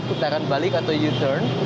putaran balik atau u turn